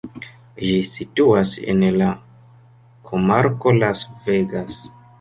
Ĝi situas en la komarko Las Vegas.